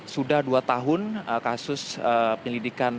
sudah dua tahun kasus penyelidikan